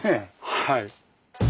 はい。